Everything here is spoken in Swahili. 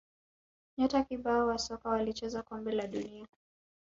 nyota kibao wa soka walicheza kombe la dunia